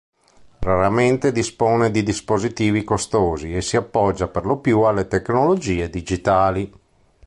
Raramente dispone di dispositivi costosi e si appoggia per lo più alle tecnologie digitali.